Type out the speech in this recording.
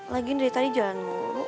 lagian dari tadi jalan mulu